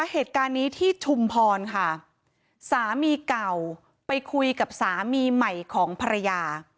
เหตุการณ์นี้ที่ชุมพรค่ะสามีเก่าไปคุยกับสามีใหม่ของภรรยา